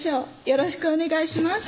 「よろしくお願いします」